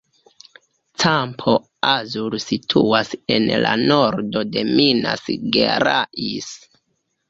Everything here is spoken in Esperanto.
Campo Azul situas en la nordo de Minas Gerais.